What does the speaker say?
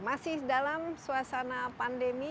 masih dalam suasana pandemi